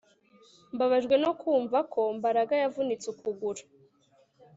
Mbabajwe no kumva ko Mbaraga yavunitse ukuguru